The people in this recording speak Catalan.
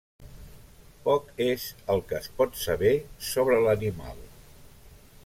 Poc és el que es pot saber sobre l'animal.